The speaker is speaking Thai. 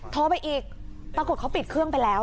โทรไปอีกปรากฏเขาปิดเครื่องไปแล้ว